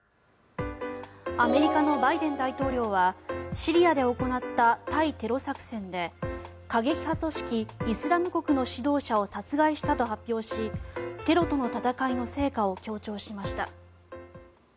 アメリカのバイデン大統領はシリアで行った対テロ作戦で過激派組織イスラム国の指導者を殺害したと発表しテロとの戦いの成果を強調しました。